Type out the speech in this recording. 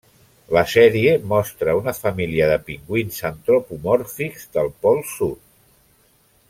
La sèrie mostra una família de pingüins antropomòrfics del Pol Sud.